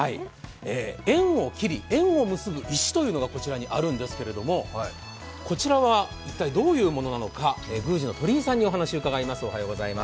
縁を切り、縁を結ぶ石というのがこちらにあるんですけれどもこちらは一体、どういうものなのか宮司の鳥居さんにお話を伺います。